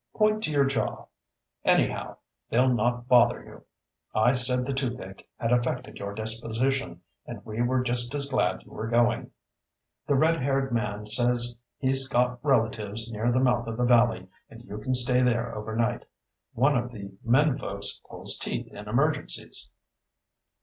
Point to your jaw. Anyhow, they'll not bother you. I said the toothache had affected your disposition, and we were just as glad you were going. The red haired man says he's got relatives near the mouth of the valley and you can stay there overnight. One of the men folks pulls teeth in emergencies."